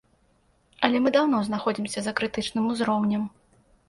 Але мы даўно знаходзімся за крытычным узроўнем.